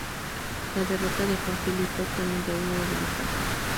La derrota dejó a Filipo con un reino debilitado.